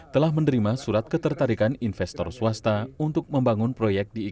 telah menerima surat ketertarikan investor swasta untuk membangun proyek di indonesia